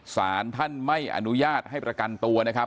สารท่านไม่อนุญาตให้ประกันตัวนะครับ